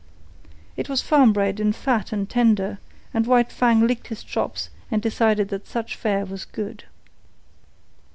It was farm bred and fat and tender; and White Fang licked his chops and decided that such fare was good.